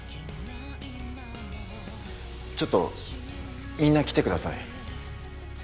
ちょっとみんな来てください。